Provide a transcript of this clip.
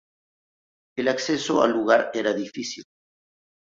El acceso al lugar era difícil.